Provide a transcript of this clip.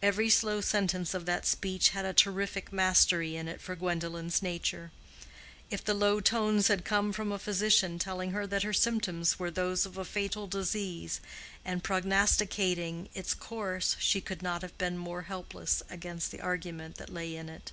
Every slow sentence of that speech had a terrific mastery in it for Gwendolen's nature. If the low tones had come from a physician telling her that her symptoms were those of a fatal disease, and prognosticating its course, she could not have been more helpless against the argument that lay in it.